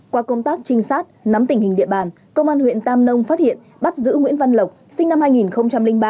qua công tác trinh sát nắm tình hình địa bàn công an huyện tam nông phát hiện bắt giữ nguyễn văn lộc sinh năm hai nghìn ba